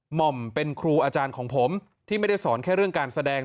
ห่อมเป็นครูอาจารย์ของผมที่ไม่ได้สอนแค่เรื่องการแสดง